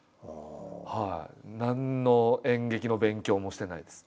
何の演劇の勉強もしてないです。